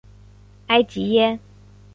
埃吉耶。